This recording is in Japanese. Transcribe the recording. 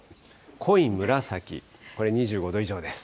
濃い紫、これ２５度以上です。